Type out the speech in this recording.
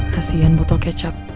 kasian botol kecap